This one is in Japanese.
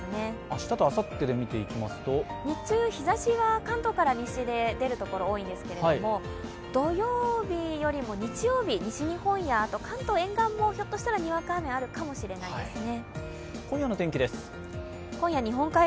日中日ざしは関東から東で出るところが多いんですが、土曜日よりも日曜日、西日本や関東沿岸もひょっとしたらにわか雨があるかもしれないですね。